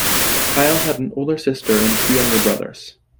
Pile had an older sister and two younger brothers.